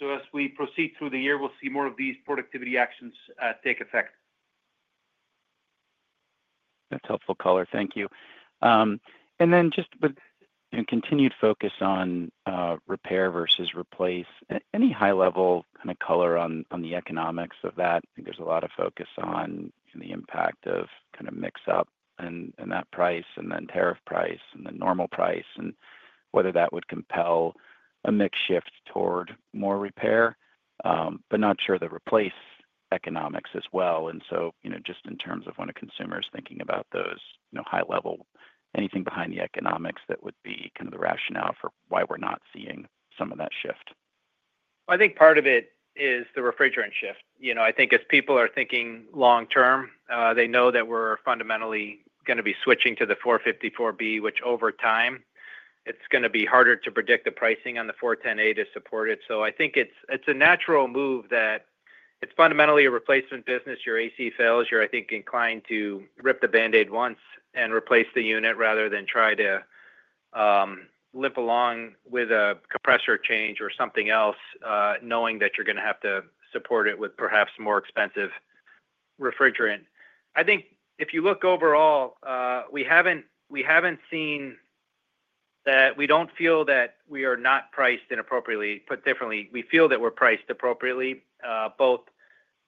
As we proceed through the year, we'll see more of these productivity actions take effect. That's helpful color. Thank you. With continued focus on repair versus replace, any high-level kind of color on the economics of that? I think there's a lot of focus on the impact of kind of mix-up and that price and then tariff price and the normal price and whether that would compel a mix shift toward more repair, but not sure the replace economics as well. In terms of when a consumer is thinking about those high-level, anything behind the economics that would be kind of the rationale for why we're not seeing some of that shift? I think part of it is the refrigerant shift. I think as people are thinking long-term, they know that we're fundamentally going to be switching to the 454B, which over time, it's going to be harder to predict the pricing on the 410A to support it. I think it's a natural move that it's fundamentally a replacement business. Your AC fails, you're, I think, inclined to rip the Band-Aid once and replace the unit rather than try to limp along with a compressor change or something else, knowing that you're going to have to support it with perhaps more expensive refrigerant. I think if you look overall, we haven't seen that we don't feel that we are not priced inappropriately. Put differently, we feel that we're priced appropriately, both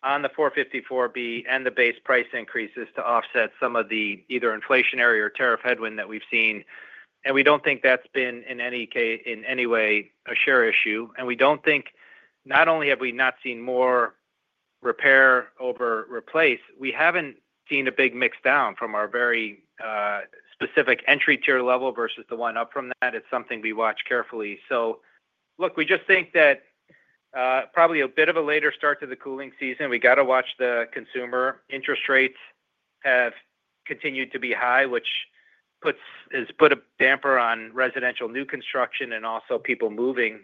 on the 454B and the base price increases to offset some of the either inflationary or tariff headwind that we've seen. We don't think that's been in any way a share issue. We don't think not only have we not seen more repair over replace, we haven't seen a big mix-down from our very specific entry-tier level versus the one up from that. It's something we watch carefully. Look, we just think that probably a bit of a later start to the cooling season. We got to watch the consumer. Interest rates have continued to be high, which has put a damper on residential new construction and also people moving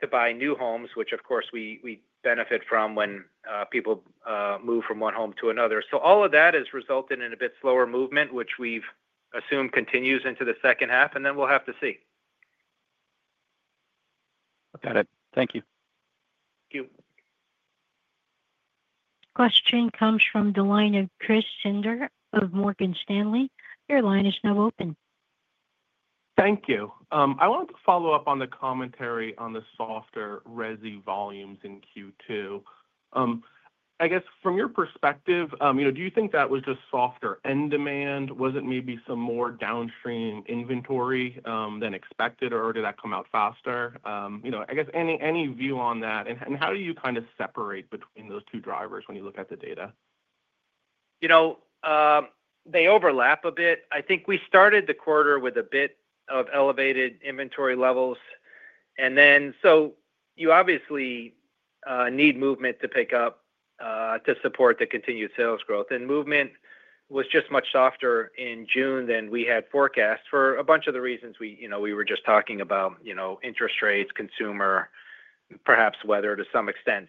to buy new homes, which, of course, we benefit from when people move from one home to another. All of that has resulted in a bit slower movement, which we've assumed continues into the second half. We will have to see. Got it. Thank you. Thank you. Question comes from the line of Chris Zinder of Morgan Stanley. Your line is now open. Thank you. I wanted to follow up on the commentary on the softer RESI volumes in Q2. I guess from your perspective, do you think that was just softer end demand? Was it maybe some more downstream inventory than expected, or did that come out faster? I guess any view on that? How do you kind of separate between those two drivers when you look at the data? They overlap a bit. I think we started the quarter with a bit of elevated inventory levels. You obviously need movement to pick up to support the continued sales growth. Movement was just much softer in June than we had forecast for a bunch of the reasons we were just talking about: interest rates, consumer, perhaps weather to some extent.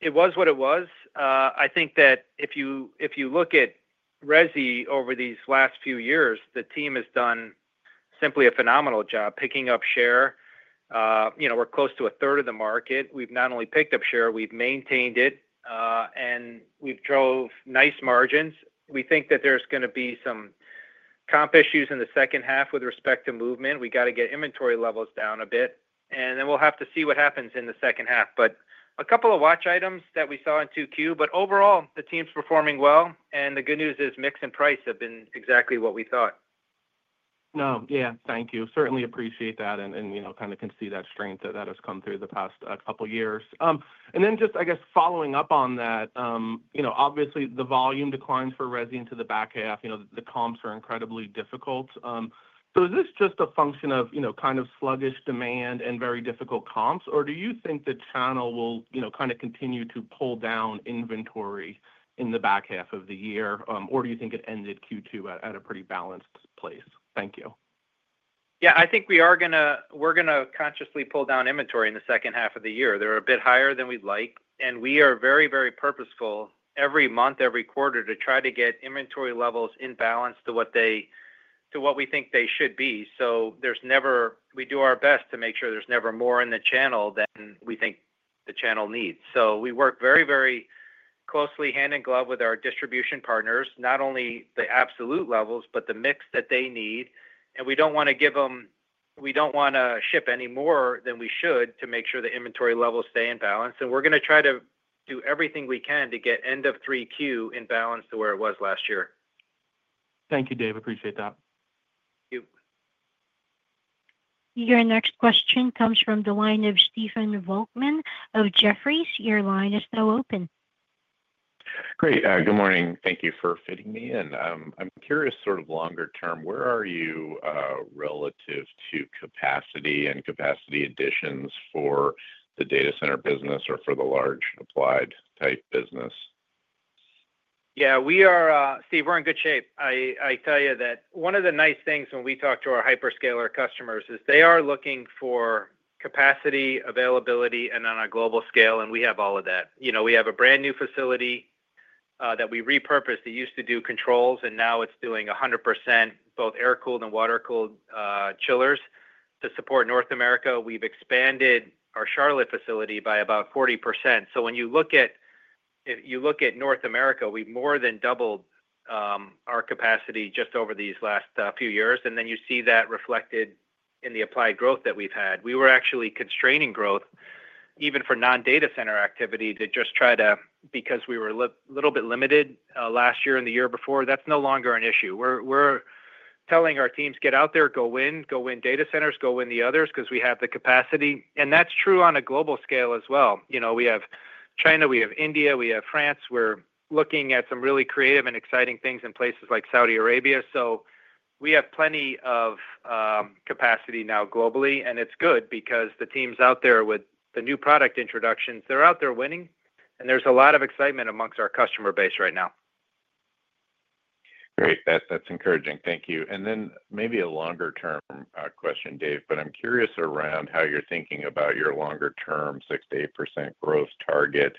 It was what it was. I think that if you look at RESI over these last few years, the team has done simply a phenomenal job picking up share. We're close to a third of the market. We've not only picked up share, we've maintained it. We've drove nice margins. We think that there's going to be some comp issues in the second half with respect to movement. We got to get inventory levels down a bit. We will have to see what happens in the second half. A couple of watch items that we saw in 2Q. Overall, the team's performing well. The good news is mix and price have been exactly what we thought. No. Yeah. Thank you. Certainly appreciate that and kind of can see that strength that has come through the past couple of years. And then just, I guess, following up on that. Obviously, the volume declines for RESI into the back half. The comps are incredibly difficult. Is this just a function of kind of sluggish demand and very difficult comps, or do you think the channel will kind of continue to pull down inventory in the back half of the year, or do you think it ended Q2 at a pretty balanced place? Thank you. Yeah. I think we're going to consciously pull down inventory in the second half of the year. They're a bit higher than we'd like. We are very, very purposeful every month, every quarter to try to get inventory levels in balance to what we think they should be. We do our best to make sure there's never more in the channel than we think the channel needs. We work very, very closely hand in glove with our distribution partners, not only the absolute levels, but the mix that they need. We don't want to give them, we don't want to ship any more than we should to make sure the inventory levels stay in balance. We're going to try to do everything we can to get end of 3Q in balance to where it was last year. Thank you, Dave. Appreciate that. Thank you. Your next question comes from the line of Stephen Volkman of Jefferies. Your line is now open. Great. Good morning. Thank you for fitting me in. I'm curious sort of longer term, where are you relative to capacity and capacity additions for the data center business or for the large applied-type business? Yeah. See, we're in good shape. I tell you that one of the nice things when we talk to our hyperscaler customers is they are looking for capacity, availability, and on a global scale, and we have all of that. We have a brand new facility that we repurposed. It used to do controls, and now it's doing 100% both air-cooled and water-cooled chillers to support North America. We've expanded our Charlotte facility by about 40%. When you look at North America, we've more than doubled our capacity just over these last few years. You see that reflected in the applied growth that we've had. We were actually constraining growth even for non-data center activity to just try to, because we were a little bit limited last year and the year before, that's no longer an issue. We're telling our teams, "Get out there, go win, go win data centers, go win the others because we have the capacity." That is true on a global scale as well. We have China, we have India, we have France. We're looking at some really creative and exciting things in places like Saudi Arabia. We have plenty of capacity now globally. It's good because the teams out there with the new product introductions, they're out there winning. There's a lot of excitement amongst our customer base right now. Great. That's encouraging. Thank you. Maybe a longer-term question, Dave, but I'm curious around how you're thinking about your longer-term 6-8% growth target.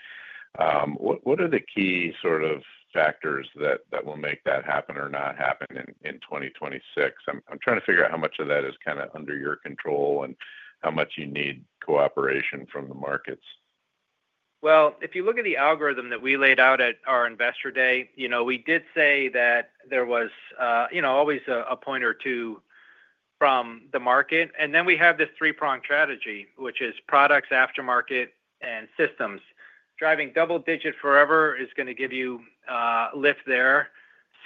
What are the key sort of factors that will make that happen or not happen in 2026? I'm trying to figure out how much of that is kind of under your control and how much you need cooperation from the markets. If you look at the algorithm that we laid out at our investor day, we did say that there was always a point or two from the market. We have this three-pronged strategy, which is products, aftermarket, and systems. Driving double-digit forever is going to give you a lift there.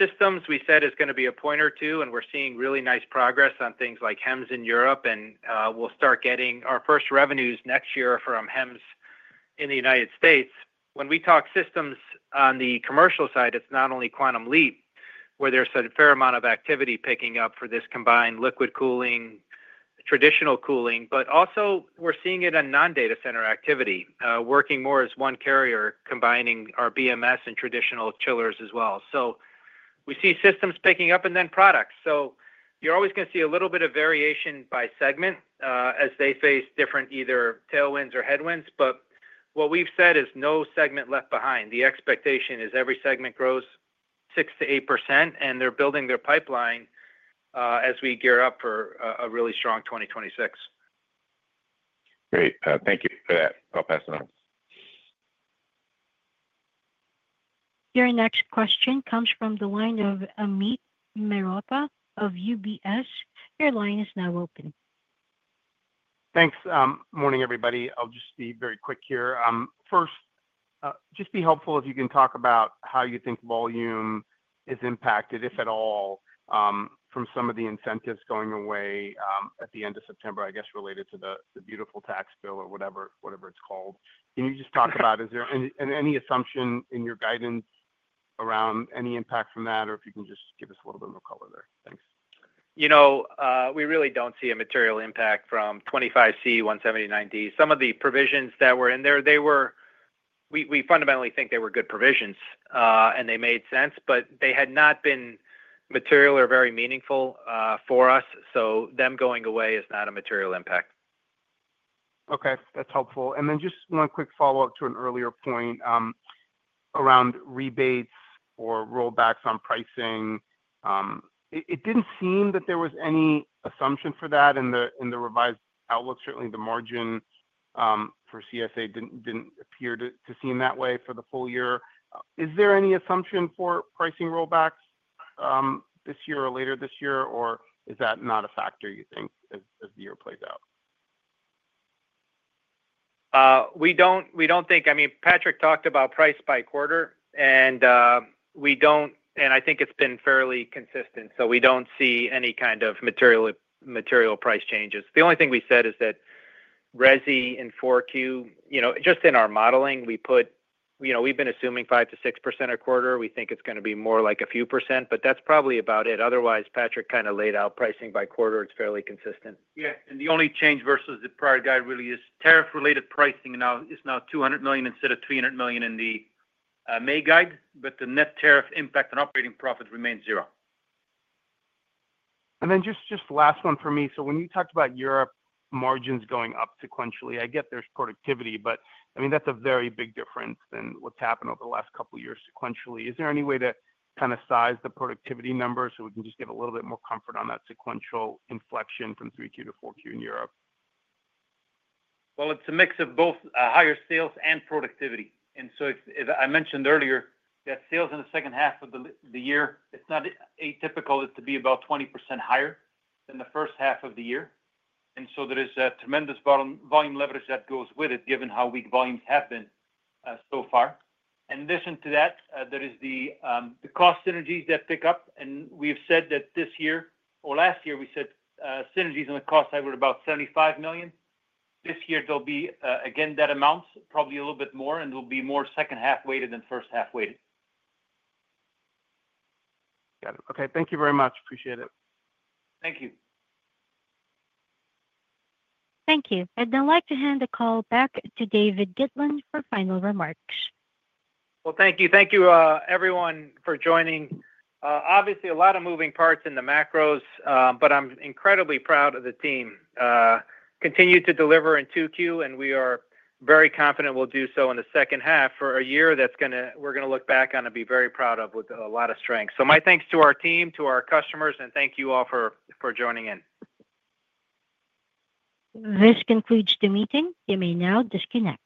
Systems, we said, is going to be a point or two. We are seeing really nice progress on things like HEMS in Europe. We will start getting our first revenues next year from HEMS in the United States. When we talk systems on the commercial side, it is not only Quantum Leap, where there is a fair amount of activity picking up for this combined liquid cooling, traditional cooling, but also we are seeing it on non-data center activity, working more as one Carrier, combining our BMS and traditional chillers as well. We see systems picking up and then products. You are always going to see a little bit of variation by segment as they face different either tailwinds or headwinds. What we have said is no segment left behind. The expectation is every segment grows 6-8%, and they are building their pipeline as we gear up for a really strong 2026. Great. Thank you for that. I'll pass it on. Your next question comes from the line of Amit Merapa of UBS. Your line is now open. Thanks. Morning, everybody. I'll just be very quick here. First, just be helpful if you can talk about how you think volume is impacted, if at all, from some of the incentives going away at the end of September, I guess, related to the beautiful tax bill or whatever it's called. Can you just talk about, is there any assumption in your guidance around any impact from that, or if you can just give us a little bit more color there? Thanks. We really don't see a material impact from 25C, 179D. Some of the provisions that were in there. We fundamentally think they were good provisions, and they made sense, but they had not been material or very meaningful for us. So them going away is not a material impact. Okay. That's helpful. Then just one quick follow-up to an earlier point. Around rebates or rollbacks on pricing. It did not seem that there was any assumption for that in the revised outlook. Certainly, the margin for CSA did not appear to seem that way for the full year. Is there any assumption for pricing rollbacks this year or later this year, or is that not a factor, you think, as the year plays out? We don't think. I mean, Patrick talked about price by quarter, and I think it's been fairly consistent. We don't see any kind of material price changes. The only thing we said is that RESI in 4Q, just in our modeling, we've been assuming 5-6% a quarter. We think it's going to be more like a few percent, but that's probably about it. Otherwise, Patrick kind of laid out pricing by quarter. It's fairly consistent. Yeah. The only change versus the prior guide really is tariff-related pricing is now $200 million instead of $300 million in the May guide, but the net tariff impact on operating profit remains zero. Just the last one for me. When you talked about Europe margins going up sequentially, I get there's productivity, but I mean, that's a very big difference than what's happened over the last couple of years sequentially. Is there any way to kind of size the productivity numbers so we can just get a little bit more comfort on that sequential inflection from 3Q to 4Q in Europe? It is a mix of both higher sales and productivity. As I mentioned earlier, sales in the second half of the year, it is not atypical to be about 20% higher than the first half of the year. There is a tremendous volume leverage that goes with it, given how weak volumes have been so far. In addition to that, there are the cost synergies that pick up. We have said that this year, or last year, we said synergies on the cost side were about $75 million. This year, there will be again that amount, probably a little bit more, and it will be more second half-weighted than first half-weighted. Got it. Okay. Thank you very much. Appreciate it. Thank you. Thank you. I'd now like to hand the call back to David Gitlin for final remarks. Thank you. Thank you, everyone, for joining. Obviously, a lot of moving parts in the macros, but I'm incredibly proud of the team. Continue to deliver in 2Q, and we are very confident we'll do so in the second half for a year that we're going to look back on and be very proud of with a lot of strength. My thanks to our team, to our customers, and thank you all for joining in. This concludes the meeting. You may now disconnect.